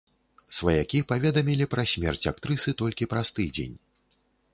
Сваякі паведамілі пра смерць актрысы толькі праз тыдзень.